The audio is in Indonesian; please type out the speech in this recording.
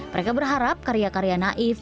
mereka berharap karya karya naif